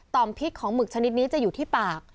มพิษของหมึกชนิดนี้จะอยู่ที่ปาก